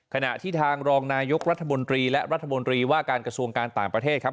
ขณะที่ทางรองนายกรัฐมนตรีและรัฐมนตรีว่าการกระทรวงการต่างประเทศครับ